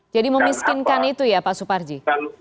jadi memiskinkan itu ya pak suparji